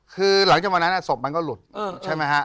คือหลังจากวันนั้นศพมันก็หลุดใช่ไหมฮะ